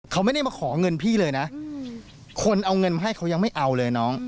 เขาไม่ได้มาขอเงินพี่เลยนะคนเอาเงินมาให้เขายังไม่เอาเลยน้อง